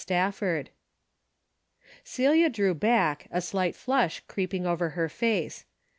Stafford." Celia drew back, a slight flush creeping over her face.